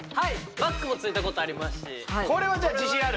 バックもついたことありますしこれはじゃあ自信ある？